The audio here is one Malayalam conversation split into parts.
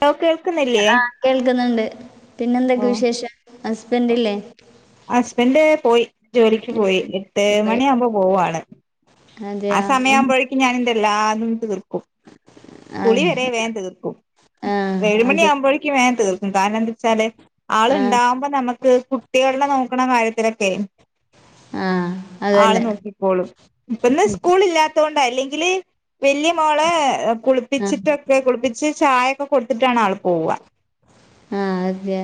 ലോ കേൾക്ക്ന്നില്ലേ കേൾക്ക്ന്ന് ണ്ട് എന്തെക്കെ വിശേഷം ഹസ്ബൻഡില്ലേ ഹസ്ബൻഡ് പോയി ജോലിക്ക് പോയി എട്ട് പോയി. മണിയാവുമ്പോ പോവും ആള് അതെയാ എട്ടണിയാവുമ്പോഴേക്കും ഞാനെന്റെ എല്ലാതും തീർ ക്കും കുളി ആഹ് വരെ വേം തീർക്കും ആഹ് ഏഴുമണി അതെ ആവുമ്പോഴേക്കും വേം തീർ ക്കും കാരണം എന്താച്ചാല് ആള് ആഹ് ണ്ടാവുമ്പോ നമക്ക് കുട്ടികളുടെ നോക്കണ കാര്യത്തിലൊക്കെയ് ആഹ് ആള് അതന്നെ നോക്കിപ്പോളും ഇപ്പിന്ന് സ്കൂളി ല്ലാത്തോണ്ടാ അല്ലെങ്കില് വല്യ മോളെ ആഹ് കുളിപ്പിച്ചിട്ടൊക്കെ കുളിപ്പിച്ച് ചായയൊക്കെ കൊടുത്തിട്ടാണ് ആള് പോവ്അ ആഹ് അത്യാ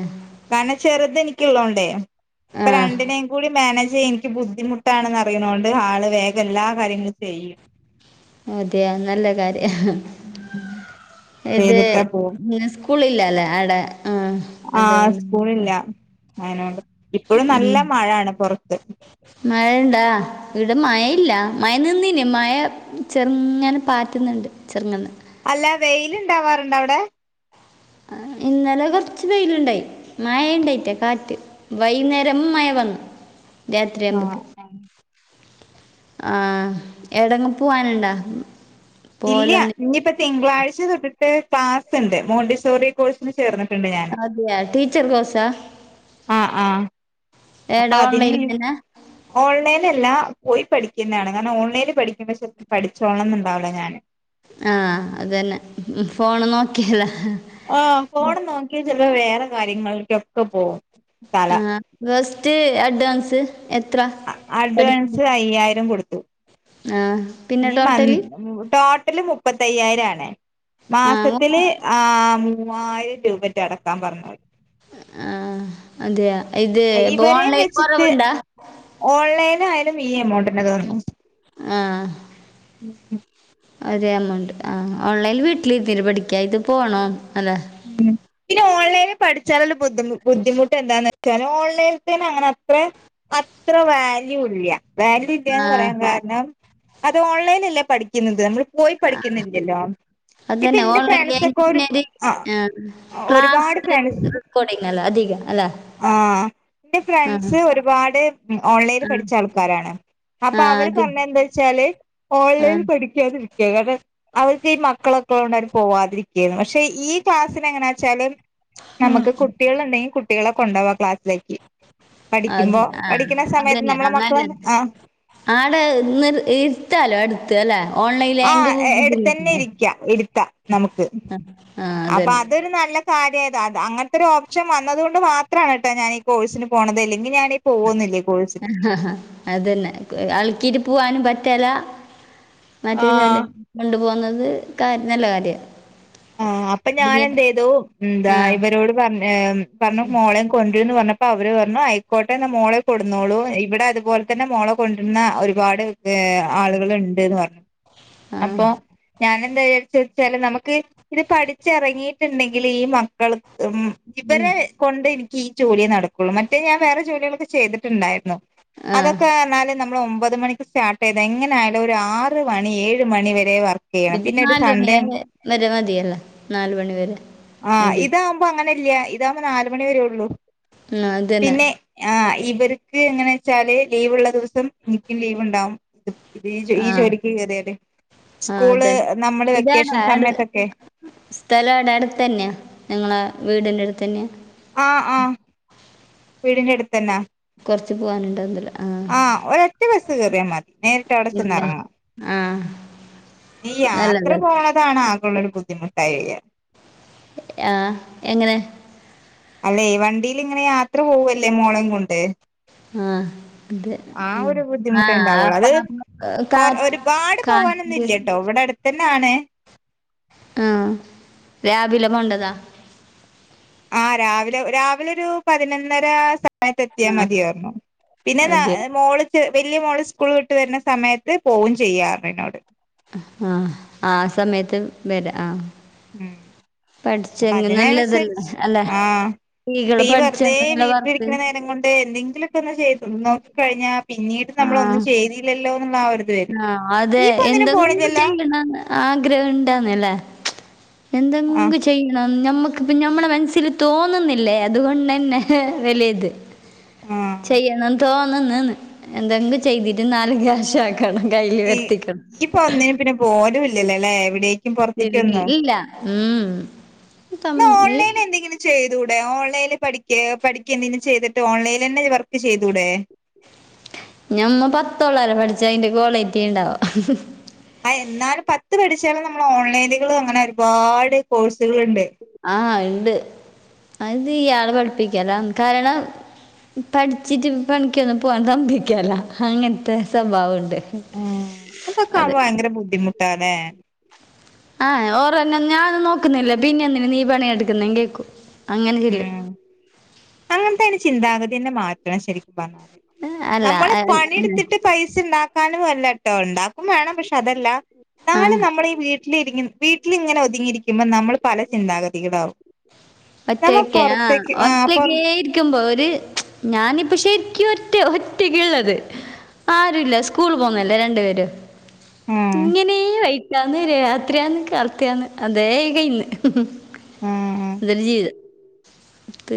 കാരണം ചെറുത് എനിക്ക്ള്ളോണ്ടേ ഇപ്പ ആഹ് രണ്ടിനേം കൂടി മാനേജ് ചെയ്യ എനിക്ക് ബുദ്ധിമുട് ട്ടാണ്ന്നറിയ്ണോണ്ട് ആള് വേഗം എല്ലാ കാര്യങ്ങളും ചെയ്യും അതെ നല്ല കാര്യ ഇഹ് ഇത് ചെയ്തിട്ടേ പോവും [unintelligible] സ്കൂ സ്കൂളില്ലാല്ലേ അവടെ ആഹ് ആ അതുകൊണ്ട് സ്കൂളില്ല അയിനൊണ്ട് ഇപ്പഴും നല്ല ഉം മഴാണ് പൊർത്ത് മഴണ്ടാ ഇവിട മയയില്ല മയ നിന്നിനി മയ ചെർങ്ങനേ പാറ്റ്ന്നുണ്ട് ചെർങ്ങനേ അല്ല വെയില്ണ്ടാവാറ്ണ്ടോ അവ്ടെ ആ ഇന്നലെ കൊർച്ച് വെയില്ണ്ടായി മയയിണ്ടായിറ്റ കാറ്റ് വൈന്നേരം മയ വന്നു ആഹ് രാത്രിയാവുമ്പക്ക് ആഹ് എവടേങ്ങും പൂവാന്ണ്ടാ ഇല്ല്യാ ഇഞ്ഞിപ്പ തിങ്കളാഴ്ച തൊട്ട്ട്ട് ക്ലാസ്സ്ണ്ട് മോണ്ടിസോറി കോഴ്സിന് ചേർന്ന്ട്ട്ണ്ട് ഞാന് അതെയാ ടീച്ചർ കോഴ്സാ ആ ആ എട അപ്പ അതിന് ഓൺലൈനിൽ തന്നെ ഓൺലൈനല്ല പോയി പഠിക്കുന്നാണ് കാരണം ഓൺലൈൻല് പഠി ഒരുപക്ഷേ പഠിച്ചോൾണംന്നുണ്ടാവൂല ഞാന് ആ അതന്ന ഫോണ് നോക്കിയല്ലാ ഹ് ആ ഫോണ് നോക്കിഴ ചെൽപ്പ വേറെ കാര്യങ്ങൾക്കൊക്കെ പോവും തല ആ ഫസ്റ്റ് അഡ്വാൻസ് എത്ര അ അഡ്വാൻസ് അയ്യായിരം കൊടുത്തു ആഹ് ഈ മന്ത് ഉം ടോട്ടല് മുപ്പത്തയ്യായിരം ആണേ ആ മാസത്തില് ഓ- ആ മൂവായിരം രൂപറ്റേ അടക്കാൻ പറഞ്ഞോര് ആഹ് അതെയാ ഇത് പ്പൊ ഓൺലൈൻല് കൊറവ്ണ്ടാ ഓൺലൈനായാലും ഈ എമൗണ്ടന്നെ തോന്നുന്നു ആഹ് ഉം ഉം ഒരേ എമൗണ്ട് ആ ഓൺലൈല് വീട്ടില്ര്ത്തീട്ടു പഠിക്ക ഇത് പോണോ അല്ലേ ഉം പിന്ന ഓൺലൈൻല് പഠിച്ചാല്ള്ള ബദ്ധിമു ബുദ്ധിമുട്ട് എന്താന്ന് വെച്ചാല് ഓൺലൈൻത്തേനങ്ങനെ അത്രേ അത്ര വാല്യൂ ഇല്ല വാല്യൂ ആ ഇല്ലാന്ന് പറയാൻ കാര്ണം അത് ഓൺലൈനല്ലേ പഠിക്കുന്നത് നമ്മള് പോയി പഠിക്കുന്നില്ലല്ലോ അത് ഇപ്പ തന്നെ ഇന്റെ ഓൺലൈനിൽ ഫ്രണ്ട്സൊക്കെ എനിക്ക് ഒര് പിന്നെ ഒരു ആ ക്ലാസ് റെക്കോർഡിങ്ങല്ലെ അധിക അല്ലെ ആ ഇന്റെ ഫ്രണ്ട്സ് ഒരുപാട് ഓൺലൈന്ന് ആ പഠിച്ച ആൾക്കാരാണ് അപ്പ ആ അവര് അത് പർഞ്ഞ എന്താച്ചാല് ആ ഓൺലൈൻല് പഠിക്കാതിരിക്കുക കാര അവർക്ക് ഈ മക്കളൊക്കെ [unintelligible] പോവാതിരിക്ക്യായിര്ന്നു പക്ഷെ ഈ ക്ലാസ്സിന് എങ്ങന വെച്ചാല് ഞമ്മക്ക് കുട്ടികള് ഇണ്ടെങ്കി കുട്ടികളെ കൊണ്ടവാ ക്ലാസ്സിലേക്ക് അത് പഠിക്കുമ്പോ ആ പഠിക്കുന്ന സമയത്ത് നമ്മള മക്കളെ ആ ആട് ഇന്ന് ഇര്ത്താലോ എട് ത്ത് അല്ലേ ആ ഓൺലൈൻ എടുത്തന്നെ ഇരിക്ക [unintelligible] അപ്പ അതൊരു നല്ല കാര്യ അതാ അങ്ങൻത്തൊരു ഓപ്ഷൻ വന്നത് കൊണ്ട് മാത്രാണ് ട്ടോ ഞാന് ഈ കോഴ്സിന് പോണത് ഇല്ലെങ്കി ഞാന് പോവൊന്നില്ല കോഴ്സിന് ആ അതന്നെ ആൾക്കിര് പോവാനും പറ്റല്ല മറ്റേ ച്ചാല് ആഹ് കൊണ്ടു പോവുന്നത് കാര് നല്ല കാര്യ ആ അപ്പ ഞാനന്തേയ്തു ന്താ ആ ഇവരോട് പർ ഏ പർഞ് മോളേം കൊണ്ട്ര്ന്ന് പർഞ്ഞപ്പ അവര് പർഞ്ഞു അയ്ക്കോട്ടെന്ന മോളേം. കൊട്ന്നോളൂ ഇവിടെ അതുപോൽ തന്നെ മോളെ കൊണ്ട്ര്ന്ന ഒരുപാട് ഏ ആള്കള്ണ്ട്ന്ന് പർഞ്ഞു ആ അപ്പോ ഞാന് എന്താ വിചാരിചെച്ചാല് നമുക്ക് ഇത് പഠിച്ചിറങ്ങിയിട്ട്ണ്ടെ ങ്കില് ഈ മക്കൾ ക്കും ഇവരെ കൊണ്ട് എനിക്ക് ഈ ജോലിയേ നടക്കുള്ളൂ മറ്റേ ഞാൻ വേറെ ജോലികളൊക്കെ ചെയ്തിട്ടുണ്ടായിരുന്നു ആ അതൊക്കെ എന്നാലും നമ്മള് ഒമ്പത് മണിക്ക് സ്റ്റാർട്ട് ചെയ്ത എങ്ങനെ ആയാലും ഒരു ആറ് മണി ഏഴ് എട്ട് മണിവരെ വർക്ക്‌. ഇത് നാലുമണി വരെ മതിയല്ല, നാലുമണി വരെ, അഞ്ചു- അപ്പോ അങ്ങനെല്ല, ഇതാവകുമ്പോ നാലുമണി വര ഉള്ളു ആ അത് തന്നെ പിന്നെ, ആഹാ ഇവർക്ക് എങ്ങനെ വെച്ചാല്, ലീവുള്ള ദിവസം എനിക്കും ലീവ് ഉണ്ടാവും. ഈ ഈ ജോലിക്ക് കേറിയാല്. ആഹാ സ്കൂള് അതെ നമ്മള് വെക്കേഷൻ ഇതാണ്. സമയത്തൊക്കെ സ്ഥലം അവിടെ അടുത്ത് തന്നെയാ, നിങ്ങള വീടിന്റെ അടുത്ത് തന്നെയാ. ആഹാ ആഹാ വീടിന്റെ അടുത്ത്തന്നാ. കുറച്ച് പോവാനുണ്ട് അന്നേരം- ആഹാ ഒറ്റ ബസ്സ് കേറിയാൽ മതി നേരിട്ട്- അവിടെ ചെന്ന് ഇല്ല ഇറങ്ങാം. ആ ഈ യാത്ര നല്ലത് പോണ- അതാണ് ആക്കൊഉള്ള ഒരു ബുദ്ധിമുട്ടായി വരിക. ആഹാ എങ്ങനെ. അല്ലെ വണ്ടിയിൽ ഇങ്ങനെ യാത്ര പോവുവല്ലേ മോളേം കൊണ്ട്. ആഹാ അതെ ആ ഒരു ബുദ്ധിമുട്ടേ ആഹാ ഉണ്ടാവുള്ളൂ അത് അപ്പ- കൊ ഒരുപാട് പോകാനൊന്നും- ഇല്ലട്ടോ ഇവിടെ അടുത്ത് തന്നെ ആണ്. ആ രാവിലെ പോവണ്ടതാ. ആഹാ രാവിലെ, രാവിലെ ഒരു പതിനൊന്നര- ത് എത്തിയാൽ ആ മതിപറഞ്ഞു. പിന്നെ അതെയോ മോള്- വലിയ മോള് സ്കൂൾ വിട്ട് വരുന്ന, സമയത്ത് പോവുകയും ചെയ്യാ പറഞ്ഞു എന്നോട്. ആഹാ ആ സമയത്ത് വരാ ആഹാ. നല്ലതല്ലേ അതിനനുസരിച്ച് അല്ലേ ആഹാ. സ്ത്രീകൾ അപ്പ ഈ വെറുതെ പഠിച്ചെങ്കിൽ നല്ല വർക്ക് വീട്ടിലിരിക്കുന്ന നേരം കൊണ്ട് എന്തെങ്കിലും- ഒ ചെയ്ത് നോക്കി കഴിഞ്ഞാൽ, പിന്നീട് നമ്മള് ഒന്നും ചെയ്തില്ലല്ലോ എന്നുള്ള ആ ഒരു ഇത് - ആഹാ അതെ എന്തെങ്കിലും ചെയ്യണ്ട. ആഗ്രഹം ഉണ്ടല്ലേ? എന്തെങ്കിലും ആ ചെയ്യാ- ചെയ്യണം ഞമ്മക്ക് പ്പ ഞമ്മള മനസ്സിൽ തോന്നുന്നില്ലേ, അതുകൊണ്ട് തന്നെ വല്യ ഇത്. ആ ചെയ്യണം തോന്ന്ന്നത് എന്തെങ്കിലും ചെയ്തിട്ട് നാലു ക്യാഷ് ആക്ക- ണം കയ്യിൽ വരുത്തിക്കണം. ഇപ്പോ ഒന്നിന് പിന്നെ പോലുംല്ലല്ലോ അല്ലേ? എവിടെ. ഇല്ല ഉം. ചെയ്തുടെ? ഓൺലൈനിൽ പഠക്ക, പഠിക്ക എന്തെങ്കിലും ചെയ്തിട്ട്, ഓൺലൈനിൽ തന്നെ വർക്ക് ചെയ്തൂടെ? ഞമ്മ പത്തോള്ളാര പഠിച്ച, അതിന്റെ ക്വാളിറ്റി ഉണ്ടാവ. ആഹാ എന്നാലും പത്ത് പഠിച്ചാലും, നമ്മള് ഓൺലൈനുകള് അങ്ങനെ, ഒരുപാട് കോഴ്സുകളുണ്ട്. ആഹ് ഉണ്ട് അത്യാളെ പഠിപ്പിക്കല കാരണം, പഠിച്ചിട്ട് പണിക്കൊന്നും പോകൻ സമ്മേക്കേല, അങ്ങനത്തെ സ്വഭാവംണ്ട്. ഉം ഇങ്ങനെയൊക്കെയാവുമ്പോ- ഭയങ്കര ബുദ്ധിമുട്ടാല്ലെ? ആഹ് ഓർന്നെ ഞാൻ- നോക്കുന്നില്ലേ? പിന്നെ എന്ന നീ പണിയെടുക്കുന്നേ കേൾക്കൂ, അങ്ങനെ ചെല്ലും. ഇങ്ങൻതൊരു ചിന്താഗതിന്നെ- മാറ്റണം ശരിക്കും പറഞ്ഞ, അല്ല ഞമ്മള് പണിയെടുത്തിട്ട്- പൈസണ്ടാക്കാനും വല്ലട്ടോ, ഉണ്ടാക്കും വേണം, പക്ഷെ അതല്ല ആ നാളെ നമ്മള് ഈ വീട്ടിലിരിങ്ങ- വീട്ടിലിങ്ങനെ- ഒതുങ്ങിയിരിക്കുമ്പോൾ നമ്മൾ പല ചിന്താഗതികളാവും. നമ്മ ഒറ്റക്കാ പൊറത്തേക്ക് ആ പൊറ ഒറ്റക്കെ രിമ്പോ ഒരു, ഞാനിപ്പോ ശരിക്കും ഒറ്റ ഒറ്റക്ക്ള്ളത്. ആരുല്ല സ്കൂൾ പോന്നല്ലേ രണ്ടു പേര്. ആഹ് ഇങ്ങനെ വൈറ്റാന്ന്, രാത്രിയാന്ന്, കറത്തിയാന്ന് അതേ കയിന്ന്. മ്മ്.. ഇതല് ജീവിതം,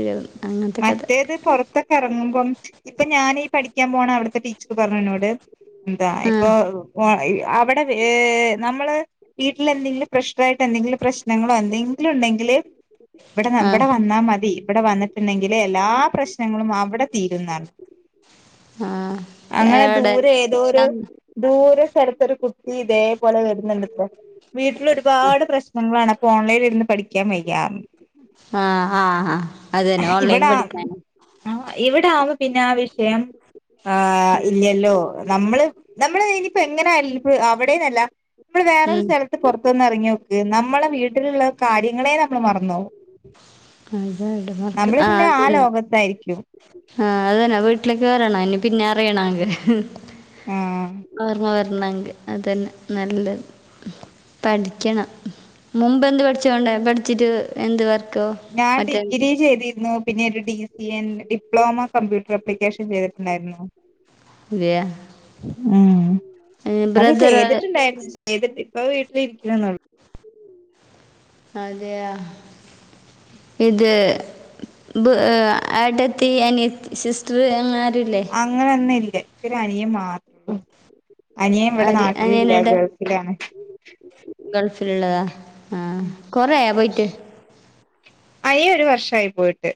യന്ന് അങ്ങനെ. മറ്റേത് പുറത്തൊക്കെ ഇറങ്ങുമ്പം, ഇപ്പോ ഞാനീ പഠിക്കാൻ പോണ അവിടത്തെ ടീച്ചർ പറഞ്ഞതിനോട്- എന്താ ആ ഇപ്പോ - ഓ അവിടെ നമ്മള് വീട്ടിൽ- എന്തെങ്കിലും പ്രഷർ ആായിട്ട് എന്തെങ്കിലും- പ്രശ്നങ്ങളോ എന്തെങ്കിലും ഉണ്ടെങ്കിൽ ഇവിടെ, ആ ഇവിടെ വന്നാൽ മതി ഇവിടെ വന്ന- ണ്ടെങ്കില് എല്ലാ പ്രശ്നങ്ങളും അവിടെ തീരുന്നർ ആഹ് അങ്ങനെ ദൂരെ ഏതോരു ദൂരെ സ്ഥലത്തൊരു കുട്ടി ഇതേപോലെ വരുന്നുണ്ടത്രേ വീട്ടിൽ ഒരുപാട് പ്രശ്നങ്ങളാണ് അപ്പൊ ഓൺലൈന് ഇരുന്ന് പഠിക്കാൻ വയ്യാ ആഹ് ആഹ് ആ അതന്നെ ഓൺലൈൻ ഇവിടെ പഠിക്കാന ആഹ് ഇവിടെ ആവുമ്പോ പിന്നെ ആ വിഷയം ആ ഇല്ലല്ലോ നമ്മള് നമ്മള് ഇനിയിപ്പോ എങ്ങനെയല്ല ഇപ്പ അവിടെന്നല്ല നമ്മള് വേറൊരു ഉം സ്ഥലത്ത് പുറത്തത്ത്ന്ന് ഇറങ്ങിയോ നമ്മളെ വീട്ടിലുള്ള കാര്യങ്ങളെ നമ്മൾ മറന്നോവും അതെ നമ്മള് പിന്നെ ആ ലോകത്തായിരിക്കും ആഹ് അതന്നാ വീട്ടിലേക്ക് വരണം അനി പിന്നെ അറിയണങ്ക ആഹ് ഓർമ്മ വരണങ്ക അതന്നെ നല്ലത് പഠിക്കണം മുമ്പന്ത് പഠിച്ചുകോണ്ടേ പഠിച്ചിട്ട് എന്ത് വർക്കും ഞാൻ ഡിഗ്രി ചെയ്തിരുന്നു പിന്നെ ഒരു D C N diploma computer application ചെയ്തിട്ടുണ്ടായിരുന്നു ഇല്ല ഉം അത് ബ്രദർ ചെയ്തിട്ടുണ്ടായിരുന്നു ചെയ്തിട്ട് ഇപ്പ വീട്ടിലിരിക്കണന്നള്ളു അതെയ ഇത് ഏട്ടത്തി അനിയത സിസ്റ്റർ അങ്ങരുല്ലേ അങ്ങനന്നില്ല ഒരു അനിയൻ മാത്രള്ളൂ അനിയൻ ഇവിടെ ആര് നാട്ടിലില്ല ഗൾഫിലാണ് ഗൾഫിൽള്ളതാ ആന് ഉം കൊറയ പോയിട്ട് അയിൻ ഒരു വർഷ ആയി പോയിട്ട്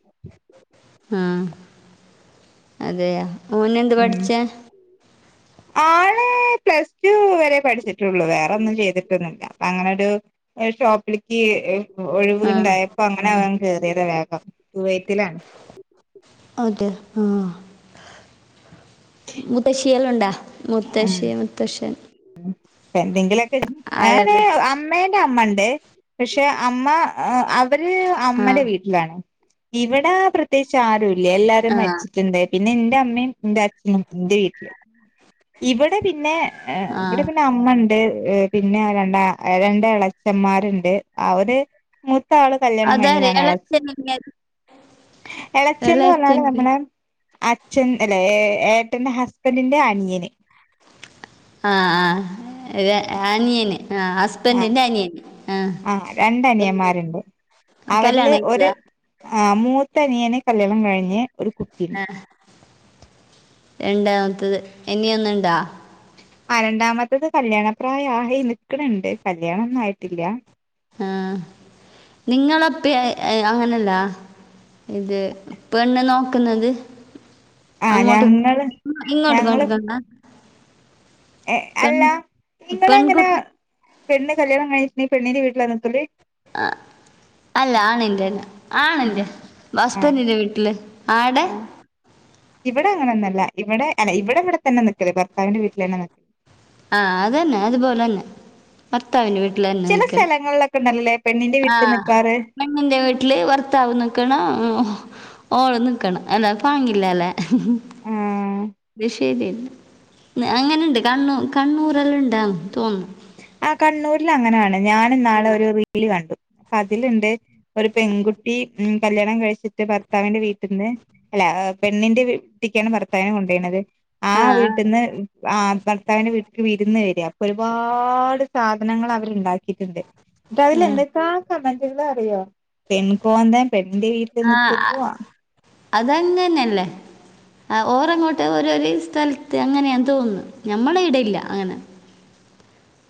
ആഹ് അതെയ ഒന് എന്ത് ഉം പഠിച്ചേ ആള് പ്ലസ് ടു വരെ പഠിച്ചിട്ടുള്ളൂ വേറൊന്നും ചെയ്തിട്ടൊന്നില്ല അപ്പ അങ്ങനൊരു ഒരു ഷോപ്പിലിക്ക് ആ ഒഴിവുണ്ടായപ്പോ അങ്ങനൊകൻ കേറിയത് വേഗം കുവൈതിലാണ് അതെ ആഹ് മുത്തശ്ശീയള്ണ്ടാ മുത്തശ്ശി മുത്തശ്ശൻ എന്തെങ്കിലൊക്കെ ആരല്ല അമ്മേന്റെ അമ്മ ഉണ്ട് പക്ഷെ അമ്മ അവര് ആ അമ്മടെ വീ ഇവിടെ പ്രത്യേകിച്ച് ആരുംല്ല എല്ലാരും ആ മരിച്ചി പിന്നെ എന്റെ അമ്മയും എന്റെ അച്ഛനും എന്റെ വീട്ടില് ഇവിടെ പിന്നെ ആ ഇവിടെ പിന്നെ അ മ്മ ഇണ്ട് പിന്നെ രണ്ട രണ്ട് ഇളച്ചന്മാരുണ്ട് അവര് മൂത്ത ആള് കല്യാണം അതാരെ കഴിഞ്ഞതാണ് അവിടെ ഇളച്ചൻ ഇല്ലേ? ഇളച്ചിന്ന് പറഞ്ഞാല് ഇളയച്ചൻ ഇല്ലേ? നമ്മള് അ ച്ചൻ അല്ല ഏട്ടന്റെ ഹസ്ബന്റിന്റെ അന്യന് ആ ആ അനിയന് ആ ഹസ്ബൻഡിന്റെ അനിയന് ആ രണ്ടനിയന്മാരുണ്ട് ആ അവരില് കല്യാണം ഒര് കഴിച്ചതാ ആഹ് മൂത്തണിയനെ കല്യാണം കഴിഞ്ഞ് ഒരു ആ കുട്ടിയുണ്ട് രണ്ടാമത്തത് ഇനിയ ഒന്ന ഇണ്ടാ ആ രണ്ടാമത്തത് കല്യാണ പ്രായം ആയി നിക്കണണ്ട് കല്യാണ ഒന്നും ആയിട്ടില്ല ആഹ് നിങ്ങളപ്പേ അങ്ങനെല്ലാ ഇത് പെണ്ണ് നോക്ക്ന്നത് ആഹ് ഞങ്ങള് ഞങ്ങള് നോക്കുന്നുണ്ടോ പെൺ അല്ല നിങ്ങ എങ്ങനെ പെൺകുട്ടി പെണ്ണ് കല്യാണം എ കണച്ചട്ടങ്കിൽ പെണ്ണിന്റെ വീട്ടിൽ നിന്നത്തല്ലേ ആ അല്ല ആണിന്റെന്നെ ഉം ആണിന്റെ ആഹ് ഹസ്ബെന്റിന്റെ വീട്ടില് ആട ആഹ് ഇവിടെ അങ്ങനെന്നല്ല ഇവിടെ അഹ് ഇവിടെ ഇവിടെ തന്നെ നിക്കത് ഭർത്താവിന്റെ വീട്ടിൽ തന്നെ നിക്ക ആഹ് അതന്നെ അതുപോലെ തന്നെ ഭർത്താവിൻ്റെ വീട്ടിൽ തന്നെ ചില നിൽക്കൽ സ്ഥലങ്ങളിലൊക്കെ ഉണ്ടല്ലോ പെണ്ണിന്റെ വീട്ടിൽ ആഹ് നിക്കാറ് പെണ്ണിന്റെ വീട്ടില് ഭർത്താവ് നിക്കണം ഓള് നിക്കണം അല്ലെ ഫാങ്ങില്ല അല്ലെ ആഹ് ബദേശേ നില്ല അങ്ങനെയുണ്ട് കണ്ണൂർ കണ്ണൂർല്ലാം ഉണ്ട തോന്നുന്നു ആഹ് കണ്ണൂരിൽ അങ്ങനാണ് ഞാനും നാളെ ഒരു കണ്ടു അപ്പൊ അതിലുണ്ട് ഒരു പെൺകുട്ടി ഉം കല്യാണം കഴിച്ചി ഭർത്താവിന്റെ വീട്ടിൽ നിന്ന് അല്ല പെണ്ണിന്റെ വീട്ടേക്കാണ് ഭർത്താവിനെ കൊണ്ടോണത് ആഹ് വീട്ടന്ന് ആഹ് ഭർത്താവിന്റെ വീട്ടക്ക് വിരുന്ന് വരിക അപ്പൊ ഒരുപാട് ഒരുപാട് സാധനങ്ങൾ അവർണ്ടാക്കിയിട്ടുണ്ട് അപ്പ അതിൽ എന്തൊക്കാ സമ അറിയോ പെൺകോന്തൻ പെണിന്റെ വീട്ടിൽ നിക്കരു പോവാ അതങ്ങതന്നെയല്ലേ ആഹ് ഓർങ്ങോട്ട് ഓരോരു സ്ഥലത്ത് അങ്ങനെയാണ് തോന്നുന്നത് നമ്മളെ ഇടയില്ല അങ്ങനെ [inaudible]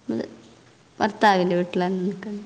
നമ്മൾ ഭർത്താവിൻ്റെ വീട്ടില നിൽക്കുന്നത്